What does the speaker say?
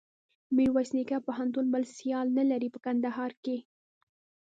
میرویس نیکه پوهنتون بل سیال نلري په کندهار کښي.